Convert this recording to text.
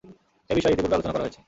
এ বিষয়ে ইতিপূর্বে আলোচনা করা হয়েছে।